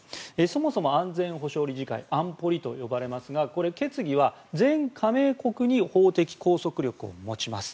そもそも安全保障理事会安保理と呼ばれますが決議は全加盟国に法的拘束力を持ちます。